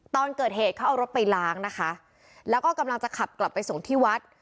ตอนเกิดเหตุเขาเอารถไปล้างนะคะแล้วก็กำลังจะขับกลับไปส่งที่วัด